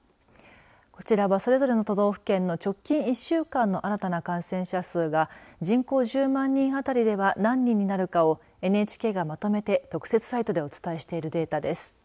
こちらはそれぞれの都道府県の直近１週間の新たな感染者数が人口１０万人あたりでは何人になるかをＮＨＫがまとめて特設サイトでお伝えしているデータです。